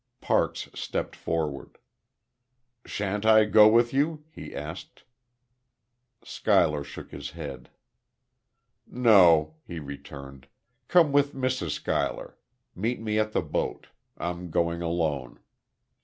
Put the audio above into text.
Parks stepped forward. "Shan't I go with you?" he asked. Schuyler shook his head. "No," he returned. "Come with Mrs. Schuyler meet me at the boat. I'm going alone."